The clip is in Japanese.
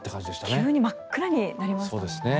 急に真っ暗になりましたよね。